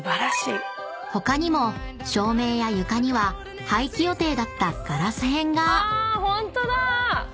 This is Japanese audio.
［他にも照明や床には廃棄予定だったガラス片が］